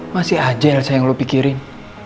masih aja elsa yang lo pikirin